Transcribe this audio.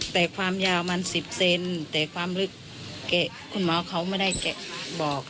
แต่ความยาวมัน๑๐เซนแต่ความลึกแกะคุณหมอเขาไม่ได้แกะบอก